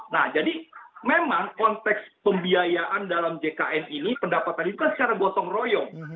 nah jadi memang konteks pembiayaan dalam jkn ini pendapatan itu kan secara gotong royong